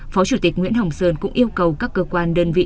phó chủ tịch nguyễn hồng sơn cũng yêu cầu các cơ quan đơn vị